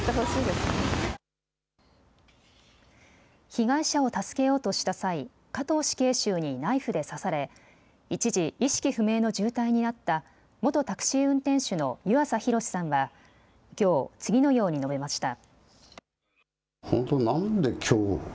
被害者を助けようとした際、加藤死刑囚にナイフで刺され一時、意識不明の重体になった元タクシー運転手の湯浅洋さんはきょう、次のように述べました。